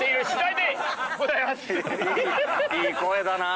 いい声だなぁ。